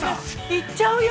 ◆行っちゃうよ。